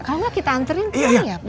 kalian kita anterin dulu ya pak